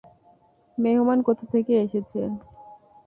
মেহমান কোথা থেকে এসেছে?